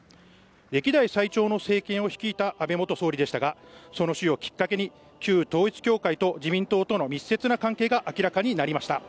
歴代最長の政権を率いた安倍元総理でしたが、その死をきっかけに旧統一教会と自民党との密接な関係が明らかになりました。